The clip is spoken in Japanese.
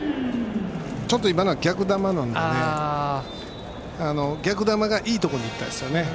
ちょっと今のは逆球なので逆球がいいところに行ったんですよね。